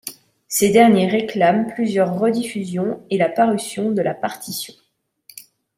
Ces derniers réclament plusieurs rediffusions et la parution de la partition.